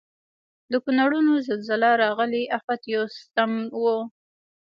د کونړونو زلزله راغلي افت یو ستم و.